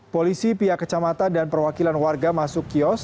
polisi pihak kecamatan dan perwakilan warga masuk kios